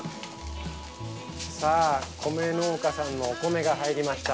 さあ米農家さんのお米が入りました。